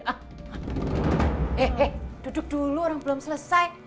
eh eh duduk dulu orang belum selesai